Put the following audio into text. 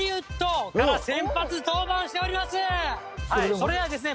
それではですね